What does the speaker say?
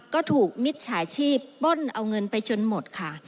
ก็ถูกมิจฉาชีพป้นเอาเงินไปจนหมดค่ะ